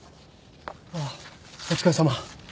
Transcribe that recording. ああお疲れさま。